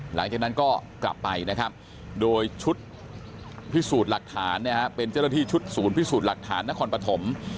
หลังจากนั้นก็กลับไปนะครับโดยชุดพิสูจน์หลักฐานเป็นเจ้าหน้าที่ชุดศูนย์พิสูจน์หลักฐานนครปฐม